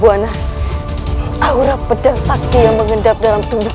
untuk pendirian massa sudah mulai